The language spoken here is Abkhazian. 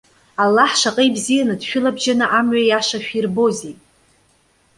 Аллаҳ шаҟа ибзианы дшәылабжьаны амҩа иаша шәирбозеи!